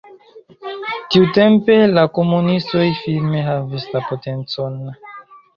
Tiutempe la komunistoj firme havis la potencon.